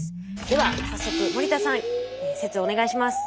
では早速森田さん説をお願いします！